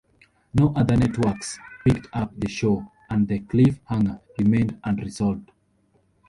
No other networks picked up the show, and the cliffhanger remained unresolved.